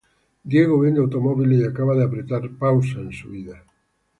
Diego vende automóviles y acaba de "apretar" pausa en su vida.